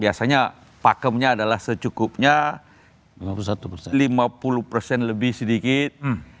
biasanya pakemnya adalah secukupnya lima puluh persen lebih sedikit